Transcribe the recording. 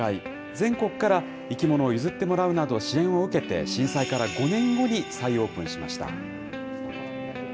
全国から生き物を譲ってもらうなど、支援を受けて、震災から５年後に再オープンしました。